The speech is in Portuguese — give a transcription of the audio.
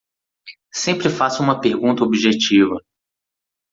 Sempre faça uma pergunta objetiva.